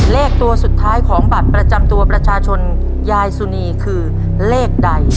เลขตัวสุดท้ายของบัตรประจำตัวประชาชนยายสุนีคือเลขใด